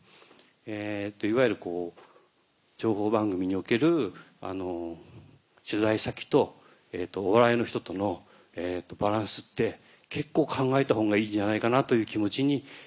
いわゆる情報番組における取材先とお笑いの人とのバランスって結構考えたほうがいいんじゃないかなという気持ちに。